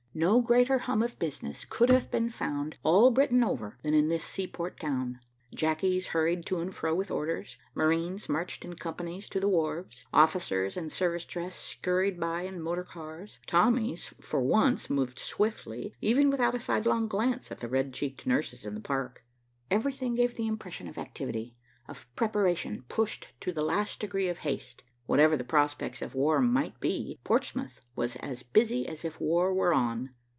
No greater hum of business could have been found all Britain over than in this seaport town. Jackies hurried to and fro with orders. Marines marched in companies to the wharves. Officers in service dress scurried by in motor cars. Tommies for once moved swiftly, without even a sidelong glance at the red cheeked nurses in the Park. Everything gave the impression of activity, of preparation pushed to the last degree of haste. Whatever the prospects of war might be, Portsmouth was as busy as if war were on.